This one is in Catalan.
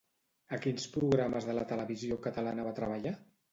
A quins programes de la televisió catalans va treballar?